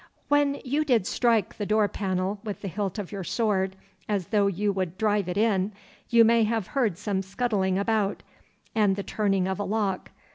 'When you did strike the door panel with the hilt of your sword, as though you would drive it in, you may have heard some scuttling about, and the turning of a lock.